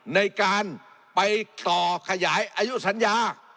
ในการไปต่อขยายอายุสัญญา